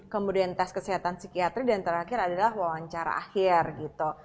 kemudian tes kesehatan psikiatri dan terakhir adalah wawancara akhir gitu